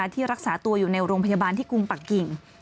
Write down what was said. ที่รักษาตัวอยู่ในโรงพยาบาลที่กรุงปักกิ่ง